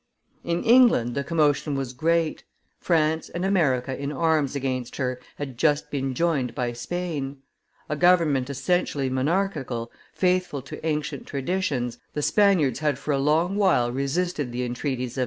In England the commotion was great: France and America in arms against her had just been joined by Spain. A government essentially monarchical, faithful to ancient traditions, the Spaniards had for a long while resisted the entreaties of M.